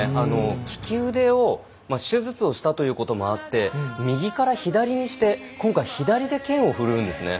利き腕を、手術をしたということもあって右から左にして今回、左で剣を振るんです。